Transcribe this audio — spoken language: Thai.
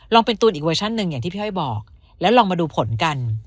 เป็นตูนอีกเวอร์ชันหนึ่งอย่างที่พี่อ้อยบอกแล้วลองมาดูผลกัน